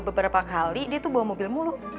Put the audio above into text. beberapa kali dia tuh bawa mobil mulut